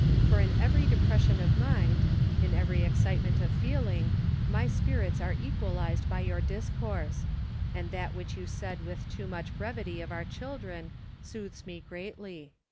for in every depression of mind, in every excitement of feeling, my spirits are equalised by your discourse ; and that which you said with too much brevity of our children soothes me greatly.